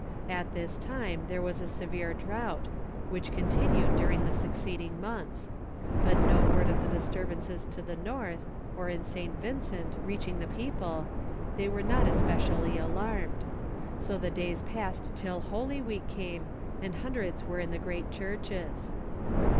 At this time there was a severe drought, which continued during the succeeding months; but no word of the disturbances to the North, or in St. Vincent, reaching the people, they were not especially alarmed. So the days passed till Holy Week came, and hundreds were in the great churches.